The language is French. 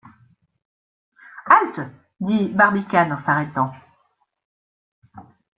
Halte! dit Barbicane en s’arrêtant.